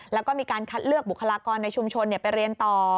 แล้วก็มีการคัดเลือกบุคลากรในชุมชนไปเรียนต่อ